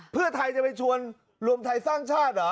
ภูมิใจไทยจะไปชวนภูมิใจไทยสร้างชาติอ่ะ